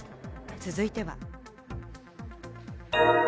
続いては。